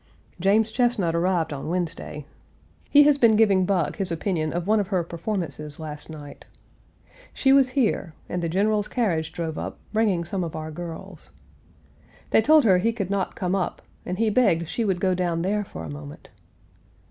James Chesnut arrived on Wednesday. He has been Page 288 giving Buck his opinion of one of her performances last night. She was here, and the General's carriage drove up, bringing some of our girls. They told her he could not come up and he begged she would go down there for a moment.